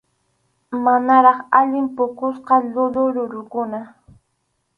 Manaraq allin puqusqa llullu rurukuna.